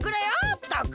ったく！